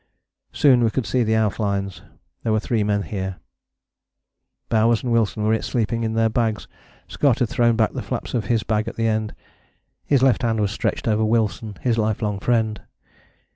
Soon we could see the outlines. There were three men here. Bowers and Wilson were sleeping in their bags. Scott had thrown back the flaps of his bag at the end. His left hand was stretched over Wilson, his lifelong friend.